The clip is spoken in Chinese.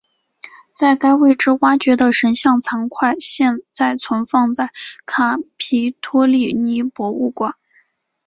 在该位置挖掘的神像残块现在存放在卡皮托利尼博物馆。